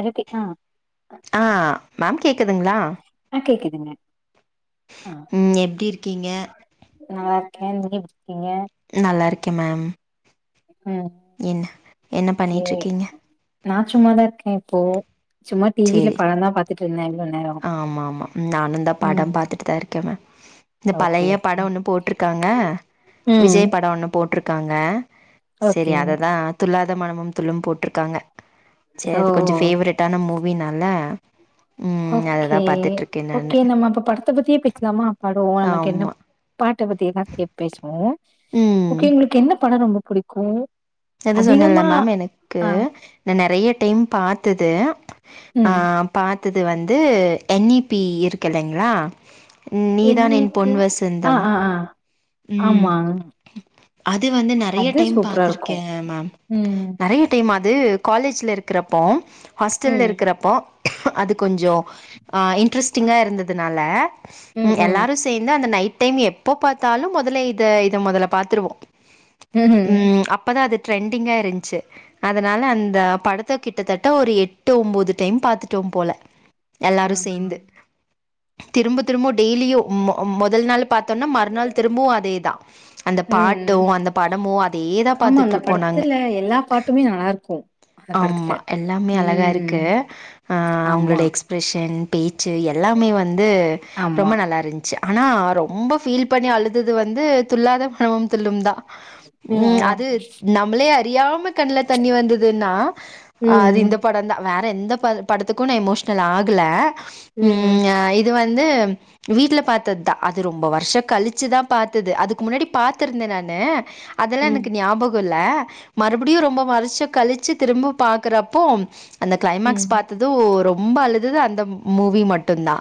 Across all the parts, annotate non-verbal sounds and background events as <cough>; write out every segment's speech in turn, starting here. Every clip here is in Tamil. அதுக்கே ஆ ஆ மேம் கேக்குதுங்களா ஆ கேக்குதுங்க ம் எப்டி இருக்கீங்க நல்லாருக்கே நீ எப்டி இருக்கீங்க நல்லாருக்கே மேம் ம் என்ன என்ன ஓகே பண்ணிட்ருக்கீங்க நா சும்மாதா இருக்கே இப்போ சும்மா டி வியில சேரி படந்தா பாத்துட்ருந்தே இவ்ளோ நேரோ ஆமா ஆமா நானுந்தா ம் படம் பாத்துட்டுதா இருக்கே மேம் இந்த ஓகே பழைய ஓகே பட ஒன்னு போட்ருக்காங்க ம் விஜய் பட ஒன்னு போட்ருக் காங்க சரி ஓகேங்க அததா துள்ளாத மனமும் துள்ளும் போட்ருக்காங்க சரி சோ அது கொஞ்சோ ஃபேவரட்டான மூவினால ம் அததா ஓகே பாத்துட்ருக்கே நானு ஓகே நம்ம அப்ப படத்த பத்தியே பேசலாமா படோ நமக்கு என்ன ஆமா பாட்ட பத்தி எதா பேசுவோ ம் ஓகே உங்களுக்கு என்ன பட ரொம்ப புடிக்கு அதா சொன்னேல அதிகமா மேம் எனக்கு ஆ நா நெறைய டைம் பாத்தது ஆ ம் பாத்தது வந்து என் இ பி இருக்குல்லைங்களா நீதான் இ என் பி பொன் ஆ வசந்தம் ஆ ஆ ம் ஆமா அது வந்து நெறைய அது டைம் சூப்பரா இருக்கு பாத்திருக்கே மேம் ம் நெறைய டைம் அது காலேஜ்ல இருக்குறப்போ ஹாஸ்டல்ல ம் இருக்கிறப்போ அது கொஞ்சோ ஆ இன்ட்ரெஸ்டிங்கா இருந்ததுனால ம் ம் சேந்து அந்த நைட் டைம் எப்ப பாத்தாலு மொதல்ல இத இத மொதல பாத்துருவோ ம்ஹ்ம் ம் அப்பதா அது ட்ரெண்டிங்கா இருந்துச்சு அதனால அந்த படத்த கிட்டத்தட்ட ஒரு எட்டு ஒம்போது டைம் பாத்துட்டோம் போல ஆ. எல்லாரு சேந்து திரும்ப திரும்ப டெய்லியோ மொ மொதல் நாள் பாத்தோன்னா மறுநாள் திரும்பவு அதேதா அந்த பாட்டோ ம் அந்த படமோ அதேதா ஆமா அந்த படத்துல எல்லா பாட்டுமே நல்லா இருக்கூ அந்த படத்துல ஆமா எல்லாமே அழகா ம் ஆமா எக்ஸ்ப்ரெஷன் பேச்சு எல்லாமே வந்து ஆமா ரொம்ப நல்லாருந்ச்ச ஆனா ரொம்ப ஃபீல் பண்ணி அழுதது வந்து துள்ளாத மனமும் துள்ளும் தா ம் அ து நம்மளே அறியாம கண்ல தண்ணி வந்ததுன்னா ம் அது ம் இந்த படந்தா வேற எந்த ப படத்துக்கோ நா எமோஷனல் ஆகல ம் ம் இது வந்து வீட்ல பாத்ததுதா அது ரொம்ப வருஷ கழிச்சுதா பாத்தது அதுக்கு முன்னாடி பாத்துருந்த நானு ம் அதெல்லா எனக் ம் ஞாபக இல்ல மறுபடியோ ரொம்ப வருஷோ கலிச்சு திரும்ப பாக்குறப்போ அந்த க்ளைமக்ஸ் ம் பாத்துது ரொம்ப அழுதது அந்த மூவி மட்டுதா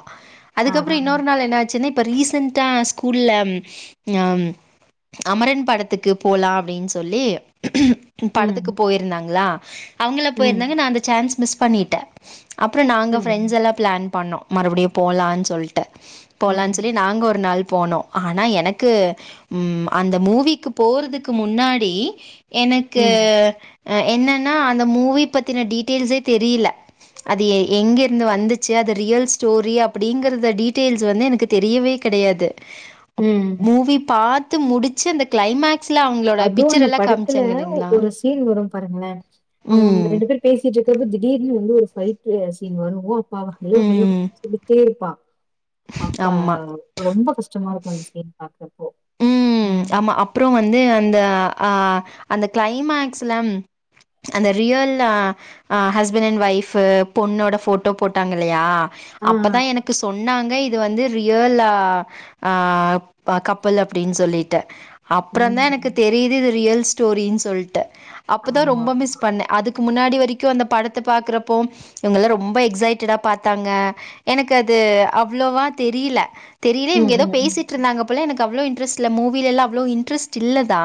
ஆ அதுக்கப்பறோ ஆ இன்னொரு நாள் என்னா ச்சினு இப்ப ரீசென்டா ஸ்கூல்ல ம் அமரன் படத்துக்கு போலா அப்டின் சொல்லி ம் படத்துக்கு போய்ருந்தாங்ளா அவங்களா ம் போயிருந்தாங்க நா அந்த சான்ஸ் மிஸ் பண்ணிட்ட அப்பற நாங்க ம் ஃப்ரெண்ட்ஸ் எல்லா ப்ளான் பண்ணோ மறுபடியு போலான் சொல்ட்டு போலானு சொல்லி ம் நாங்க ஒரு நாள் போனோ ஆனா எனக்கு ம் அந்த மூவிக்கு போறதுக் கு முன்னாடி எனக்கு ம் என்னன்னா அந்த மூவி பத்தின டீட்டெயில்ஸே தெரியில அது எ எங்கேருந்து வந்துச் ச்சு அது ரியல் ஸ்டோரி அப்டிங்கறத டீட்டெய்ல்ஸ் வந்து எனக்கு தெரியவே கெடயாது ம் மூவி பாத்து முடிச்சு அந்த க்ளைமாக் அதுவு அந்த படத்துல ஒ ஒரு சீன் வரு பாருங்ளே அவுங்க ம் ரெண்டு பேரு பேசிட்டு இருக்கப்ப திடீர்னு வந்து ஒரு பைட்டு சீன் வருவோ அப்ப <unintelligible> ம் இரும்பிக்ட்டே இருப்பா அப்ப ஆமா ரொம்ப கஷ்டமா இருக்கு அந்த சீன் பாக்றப்போ ம் ஆமா அப்பறொ வந்து அந்த அ அந்த க்ளைமேக்ஸ்ல அந்த ரியல் அ ஆ ஹஸ்பண்ட் அண்ட் ஒய்ஃப்பு பொண்ணோட போட்டோ போட்டாங்க இல்லயா ஆ. அப்பதா எனக் கு சொன்னாங்க இது வந்து ரியல் ஆ கப்புல் அப்டின் சொல்லிட் டுஅப்றொந் தா எனக்கு ம். தெரியுது இது ரியல் ஸ்டோரின் சொல்ட்டு அப்பதா ரொம்ப ஆமாமா. மிஸ் பண்ணே அதுக்கு முன்னாடி வரிக்கோ அந்த படத்த பாக்குறப்போ இவுங்கல்லா ரொம்ப எக்ஸைட்டடா பாத்தாங்க எனக்கு அது அவ்ளோவா தெரியல தெரியுது இவுங்க ம், ஏதோ ம், பேசிட்டு இருந்தாங்க போல எனக்கு அவ்ளோ இன்ட்ரெஸ்ட் இல்ல மூவிலெல்லா அவ்ளோ இன்ட்ரெஸ்ட் இல்லதா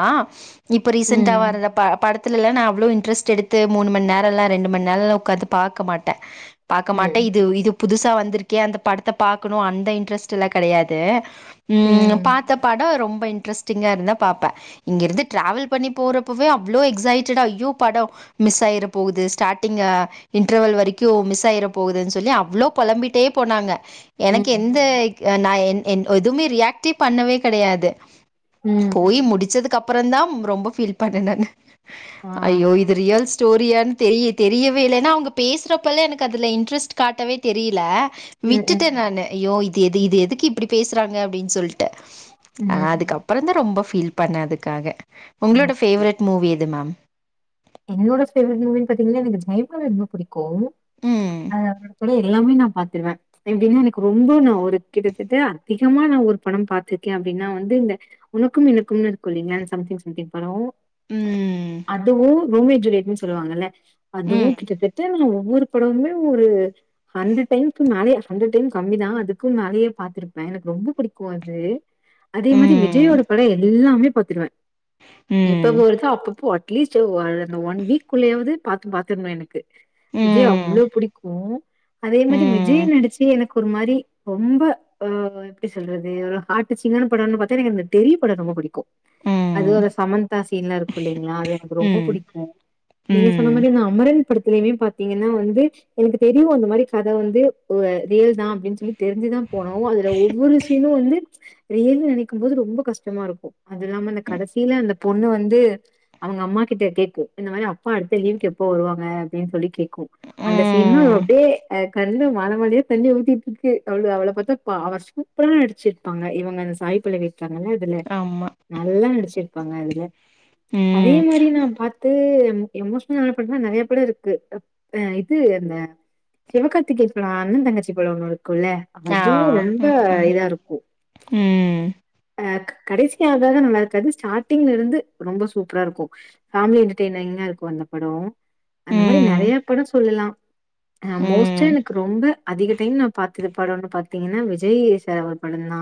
இப்போ ரீசென்ட்டா ம். வர்ற ப படத் துலல்லா நா அவ்ளோ இன்ட்ரெஸ்ட் எடுத்து மூணு மண் நேரல்லா ரெண்டு மண் நேரல்லா உக்காந்து பாக்க மாட்டே பாக்க ம், மாட்டே இது ம், இது புதுசா வந்துருக்கே அந்த படத்த பாக்கணு அந்த இன்ட்ரெஸ்ட்டெல்லா கெடயாது ம் பாத்த படொ ரொம்ப இன்ட்ரெஸ்டிங்கா இருந்தா பாப்பே இங்கிருந்து டிராவல் பண்ணி போறப்பவே அவ்ளோ எக்ஸைட்டடா ஐயோ படோ மிஸ் ஆய்ற போகுது ஸ்டார்ட்டிங் அ இன்ட்ரவல் வரைக்கொ மிஸ் ஆய்ற போகுதுன் சொல்லி அவ்ளோ பொளம்பிட்டே போனாங்க ம், எனக்கு எந்த ம், அ நா என் என் எதுமே ரியாக்டே பண்ணவே கெடயாது ம் போய் முடுச்சதுக்கு அப்றொ தா ரொம்ப ஃபீல் பண்ணே நானு ஆ. ஐயோ இது ரியல் ஸ்டோரியான் தெரிய தெரியவே இல்ல ஏன்னா அவுங்க பேசுறப்பல எனக்கு அதுல இன்ட்ரெஸ்ட் காட்டவே தெரியில ம், விட்டுட்டே ம். நானு ஐயோ இது எது இது எதுக்கு இப்டி பேசுறாங்க அப்டின் சொல்ட்டு அ ம். அதுக்கப் அப்றந்தா ரொம்ப ஃபீல் பண்ணே அதுக்காக உங்களோட ஓகே. ஃபேவரெட் மூவி எது மேம் என்னோட ஃபேவரட் மூவின் பாத்திங்கன்னா எனக்கு <unintelligible> ரொம்ப புடிக்கு ம். <unintelligible> எல்லாமே நா பாத்துருவே எப்டின்னா எனக்கு ரொம்ப நா ஒரு கிட்டத்தட்ட அதிகமா நா ஒரு படொ பாத்ருக்கே அப்டின்னா வந்து இந்த உனக்கும் எனக்கும்னு இருக்கு இல்லைங்ளா சம்திங் சம்திங் படோ ம். அதுவு ரோமியோ ஜூலியட்னு சொல்லுவாங்கல்ல அதுவு ம். கிட்டத்தட்ட ஒவ்வொரு படமுமே ஒரு ஹண்ட்ரட் டைம்க்கு மேலயே ஹண்ட்ரட் டைம் கம்மி தா அதுக்கு மேலயே பா்த்துருப்பே எனக்கு ரொம்ப புடிக்கு அது அதே மாரி ம். விஜய்யோட படொ எல்லாமே பாத்துருவே எப்பப்போ ம். வருதோ அப்பப்போ அட்லீஸ்ட் ஒரு ஒன் வீக் குள்ளயாவது பாத்து பாத்தர்ணு எனக்கு விஜய் ம். அவ்ளோ புடிக்கு அதே மாரி ம். விஜய் நடிச்சு எனக் ஒரு மாரி ரொம்ப அ எப்டி சொல்றது ஹாட் டச்சிங்கான படோன்னு பாத்தா எனக்கு அந்த தெரி படொ ரொம்ப புடிக்கு ம். அதுவு அந்த ம். சமந்த்தா சீன்லா இருக்கு இல்லைங்ளா அது எனக்கு ரொம்ப புடிக் நீங்க சொன்ன ம். மாரிஅந்த அமரன் படத்திலய்மே பாத்திங்கன்னா வந்து எனக்கு தெரியு அந்த மாரி கத வந்து ஒ அ ரியல் தா அப்டின் சொல்லி தெரிஞ்சுதா போனோ அதுல ஒவ்வொரு சீனு வந்து ரியல்னு நெனக்கும் போது ரொம்ப கஷ்டமா இருக்கு அது இல்லாம அந்த கடசில அந்த பொண்ணு வந்து அவுங்க அம்மா கிட்ட கே கு இந்த மாரி அப்பா அடுத்த லீவுக்கு எப்போ வருவாங்க அப்டின் சொல்லி கேக்கு அந்த சீன்ல ம். அப்டியே கண்ல மால மாலையா தண்ணி ஊத்திட் இருக்கு அவள அவள பாத்தா அவ சூப்ரா நடுச்சுர் பாங்க இவுங்க அந்த சாய் பல்லவி இருக்காங்கல்ல துல ஆமா. நல்லா நடிச்சிருப்பாங்க அதுல அதே ம். மாரி நா பாத் து எமோஷனல் ஆன படோ நெறய படோ இருக்கு அ இது அந்த சிவகார்த்திகே படோ அண்ண தங்கச்சி படோ ஒன்னு இருக்குல்ல ஆ. அதுவு ரொம்ப ம். ம். இதா இருக்கு ம். அ க் க கடைசியா கத நல்லா இருக்காது க ஸ்டாடிங்ல இருந்து ரொம்ப சூப்பரா இருக்கு ஃபேமிலி என்ட டிய்னிங்கா இருக்கு அந்த படோ அந்த மாரி ம். நெறய பட சொல்லலா ஆ மோஸ்ட்டா ம். எனக்கு ரொம்ப அதிக டைம் நா பாத் திர படோன்னு பாத்தீங்கன்னா விஜய் சாரோட படந்தா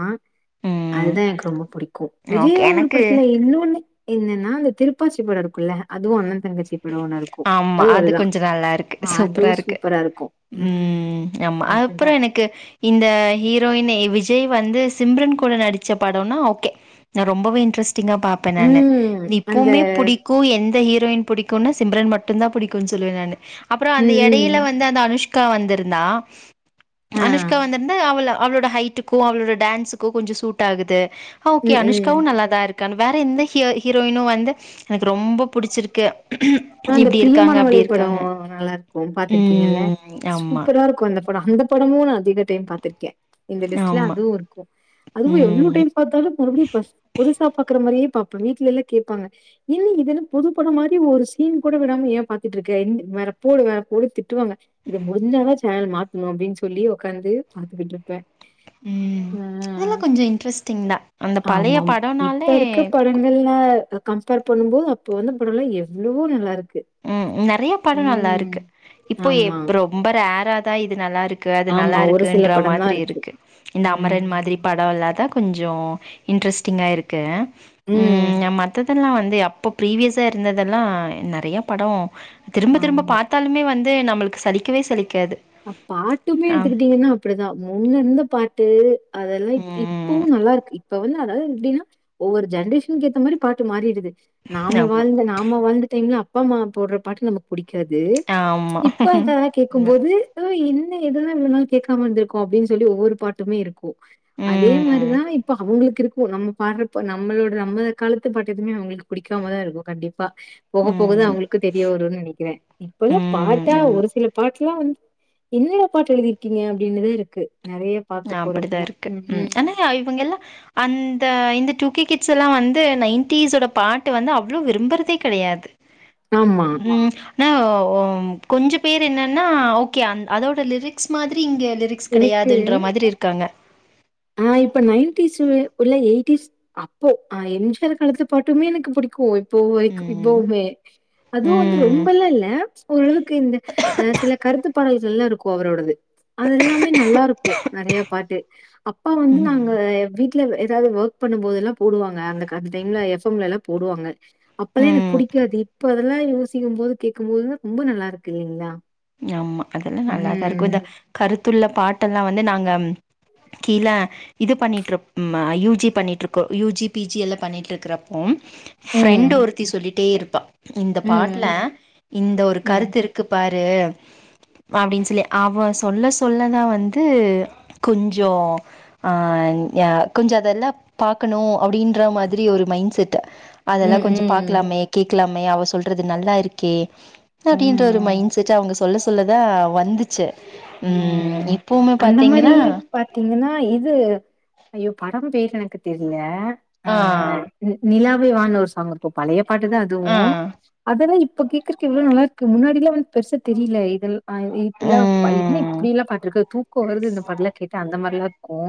ம் அதுதா எனக்கு ரொம்ப புடிக்கு ஓகே விஜயோட எனக்கு படத்துல இன்னோன்னு என்னன்னா அந்த திருப்பாச்சி படோ இருக்குல்ல அதுவு அண்ண தங்கச்சி படோ ஒன்னு இருக்கு ஆமா அதுவு அது அதுதா கொஞ்ச நல்லா இருக்கு அதுவு சூப்பரா இருக்கு ம் யம் அதுதா ஆல்ப்புறனிக் கு இந்த ஹீரோயின் விஜய் வந்து சிம்ரன் கூட நடிச்ச படோன்னா ஓகே நா ரொம்பவே இன்ட்ரெஸ்டிங்கா பாப்பே நானு ம் அந்த இப்பவுமே புடி கூ எந்த ஹீரோயின் புடிக்குன்னா சிம்ரன் மட்டு தா புடிக்குன் சொல்லுவே நானு அப்புற அந்த ம் எடையில ம் வந்த அனுஷ்கா வந்திருந்தா ஆ அனுஷ்கா வந்திருந்தா அவள அவளோட ஹைட்டு க்கு அவளோட டான்சுக்கு கொஞ்சோ சூட் ஆகுது ஓகே ம் அனுஷ்காவு ம் நல்ல தா இருக் கானு வேற எந்த ஹீரோயினு வந்து எனக்கு ரொம்ப புடிச்சிருக்கு அப்றோ இந்த இப்டி இருக்காங்க அப்டி ப்ரியமானவளே படோ இருக்காங்க நல்லா இரு க்கு பாத்திருக்கீங்கல்ல ம் ஆமா சூப்பரா இருக்கு அந்த படோ இந்த படமும் அதிக டைம் பாத்திருக்கே இந்த லிஸ்ட்ல ஆமா அதுவு இருக்கு அதுவு எவ்ளோ ம் டைம் பாத்தாலு மறுபடி‌ பஸ் புதுசா பாக்குற மாரியே பாப்பே வீட்ல எல்லா கேப்பாங்க இன்னு இது என்ன புது படோ மாரி ஒரு சீன் கூட விடாம ஏ பாத்துட்டு இருக்க என் வேற போடு வேற போடு திட்டுவாங்க இது முடிஞ்சாதா சேனல் மாத்தனு அப்டின் சொல்லி ஒக்காந்து பாத்துக்கிட்ருப்பே ம் அதெல்லா கொஞ்ச இன்ட்ரெஸ்ட்டிங் தா அந்த பழைய ஆமாம். இப்ப படோனாலே இருக்க படங்கள்ல கம்பேர் பண்ணும் போது அப்ப வந்து படம்லா எவ்ளவோ நல்லா இருக்கு ம் நெறய பட நல்லா இருக்கு இப்போ ஆமா, இப் ரொம்ப ரேரா தா இது நல்லா இருக்கு அது ஆமா. நல்லா ஒரு சில இருக்குன்ற படம் தான் மாதிரி இருக்கு இந்த அமரன் மாதிரி ம். படோ இல்லாதா கொஞ்சோ இன்ட்ரெஸ்டிங்கா இருக்கு ம் மத்ததெல்லா வந்து அப் இப்ப ப்ரீவியஸா இருந்ததெல்லா நெறய படம் திரும்ப திரும்ப ஆமா. பாத்தாலுமே வந்து து நம்மளுக்கு சலிக்கவே சலிக்காது பாட்டுமே ஆ எடுத்துக்கிட்டீங்கன்னா அப்டிதா முன்ன இருந்த பாட்டு அதெல்லா இப் இப்பவு ம் நல்லா இருக்கு இப்ப வந்து அதாவது எப்டின்னா ஒவ்வொரு ஜென்ரேஷனுக்கு ஏத்த மாதிரி பாட்டு மாறிடுது நாம ஆமா வாழ்ந்த நாம வாழ்ந்த டைம்ல அப்பா அம்மா போடுற பாட்டு நம புடிக்காது ஆமா இப்ப அதலா உண்மதா கேக்கும்போது து என்ன எதுமே இவ்ள நாள் கேட்காம இருந்திருக்கோ அப்டின்னு சொல்லி ஒவ்வொரு பாட்டுமே இருக்கு கு அதே ம் மாதிரிதா இப்ப அவுங்களுக்கு இருக்கு நம்ம பாடறப்ப நம்மளோட நம்ம காலத்து பாட்டு எதுமே அவுங்களுக்கு புடிக்காம தா இருக்கு கண்டிப்பா போக போக தா ம் அவுங்களுக்கு தெரிய வருனு நெனக்கிறே இப்பல்லா ம் பாட்டா ஆமா ஒரு சில பாட்டுல்லா வந் என்னடா பாட்டு எழுதி இருக்கீங்க அப்டின்னுதா இருக்கு நெறய அப்படிதா இருக்கு உம் ஆனா இவங்க எல்லா அந்த இந்த டூ கே கிட்ஸ் எல்லாம் வந்து நைன்டீஸ் ஓட பாட்டு வந்து அவ்ளோ விரும்புறதே கெடையாது ஆமா. ம் னவ் ம் கொஞ்ச பேரு என்னன்னா ஓகே அந் அதோட லிரிக்ஸ் மாதிரி இங்க லிரிக் ஸ் எனக்கு கெடையாதுன்ற மாதிரி இருக்காங்க ஆ இப்ப நைன்டிஸ்லுள்ள உள்ள எயிட்டிஸ் அப்போ அ எம் ஜி ஆர் காலத்து பாட்டுமே எனக்கு புடிக்கும் இப்போ ம். இப்பவுமே அதுவு வந்து ம். ரொம்பல்லா இல்ல ஓரளவுக்கு இந்த அ சில கருத்து பாடகுகள்கெல்லா இருக்கு அவரோடது அது எல்லாமே நல்லா இருக்கும் நெறைய பாட்டு அப்பா வந்து நாங்க ம். வீட்டு ல ஏதாவ்து ஒர்க் பண்ணும் போதெல்லா போடுவாங்க அந்த கந்த டைம்ல எஃப் எம் ல எல்லா போடுவாங்க அப்பல்லா எனக்கு ம். புடிக்காது இப்ப அதெல்லா யோசிக்கும் போது கேட்கு போது ரொம்ப நல்லா இருக்கு இல்லைங்களா ஆமா அதெல்லா நல்லாதா இருக்கு ம். இந்த கருத்துள்ள பாட்ட எல்லா வந்து நாங்க கீழ இது பண்ணிட்டு இரு ம்ம யூ ஜி பண்ணிட்டு இருக்கோ யூ ஜி பி ஜி எல்லாம் பண்ணிட்டு இருக்கறப் ம் ஃப்ரெண்ட் ம். ஒருத்தி சொல்லிட்டே இருப்பா இந்த பாட்ல ம். இந்த ஒரு ம். கருத்து இருக்கு பாரு அப்டின் சொல்லி அவ சொல்ல சொல்லதா வந்து கொஞ்சோ ஆ யன் கொஞ்சோ அதெல்லா பாக்கணு அப்டின்ற மாதிரி ஒரு மைண்ட் செட்டு அதெல்லா ம். கொஞ்சோ ம். பாக்லாமே கேக்லாமே அவ சொல்றது நல்லா இருக்கே அப்டின்ற ஒரு ம். மைண்ட் செட் அவ்ங்க சொல்ல சொல்லதா வந்துச்சு உம் ம். இப்பவுமே அந்த மாரி பாத்தீங்கன்னா பாத்தீங்கன்னா இது ஐயோ படம் பேர் எனக்கு தெரில ஆ நிலாவே வா ஒரு சாங்குக்கும் பழைய பாட்டு தா ஆ அதுவும் அதெல்லா இப்ப கேக்குறக்கு எவ்ளோ நல்லா இருக்கு முன்னாடி எல்லாம் வந் பெருசா தெரியில இதெல்லா ஆ இப்பல்லா என்ன இப் ம் ப்படியெல்லாம் பாட்டுருக்கு தூக்கோ வருது இந்த பாட்லா கேட்டா அந்த மாரிலா இருக்கூ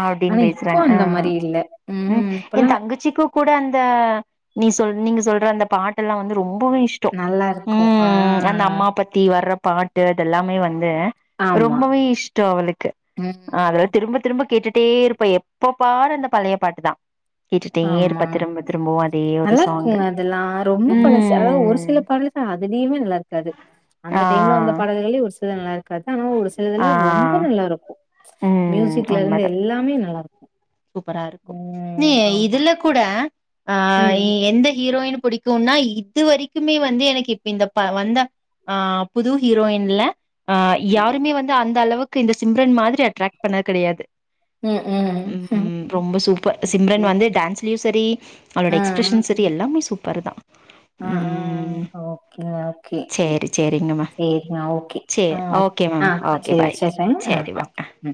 அப்டின்னு ஆனா இப்போ பேசுறாங்க ஆ அந்த மாரி இல்ல ம் இப்பல்லா என் தங்கச்சிக்கு கூட அந்த நீ சொல் நீங்க சொல்ற அந்த பாட்டெல்லாம் வந்து ரொம்பவே இஷ் நல்லாருக்கூ ஆ தி வர்ற பாட்டு அதெல்லாமே வந்து ஆமா. ரொம்பவே இஷ்டோ அவளுக்கு அவ்ரு ம். திரும்ப திரும்ப கேட்டுட்டே இருப்ப எப்ப பாரு அந்த பழய பாட்டு தா கேட்டுட்டே ஆமா இருப்பா திரும்ப திரும்பவு அதே ஒரு சாங்கு நல்லார்க்குங்க அதெல்லா ரொம்ப பழசு அதாது ஒரு ம் சில பாடலு அதிலிய்மே நல்லா இருக்காது ஆ அந்த டைம்ல வந்த பாடல்கலே ஒரு ஸ் சில நல்லா இருக்காது ஆனா ஒரு ஆ சிலதுலா ரொம்ப நல்லாருக்கோ ம் உண்மதா மியூசிக்லர்ந்து எல்லாமே கி நல்லார்குக் சூப்பரா இருக்கு நீ இதுல கூட ஆ ம் எந்த ஹீரோயின் புடிக் குனா இது வரிக்குமே வந்து எனக்கு இப்ப இந்த ப வந்த ஆ புது ஹீரோயின்ல ஆ யாருமே வந்து அந்த அளவுக்கு இந்த சிம்ரன் மாதிரி அட்ரக்ட் பண்ண கெடையாது ம் ம் ம் ரொம்ப சூப்பர் ஓகே சிம்ரன் வந்து டான்ஸ்லயு சரி அவ்ளோட ஆ எக்ஸ்ப்ரஷன் ச எல்லாமே சூப்பரு தா ஆ ஆ ம் ஓகே அ ஓகே சேரி சேரிங்க மேம் செரிங்கா ஓகே ஆ சேரி ஓகே ஆ மேம் ஓகே சேர் பாய் வச்சிர்ர ஆ சேரி பாய் ஓகே ம்